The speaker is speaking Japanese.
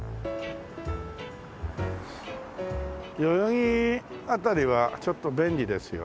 代々木辺りはちょっと便利ですよね。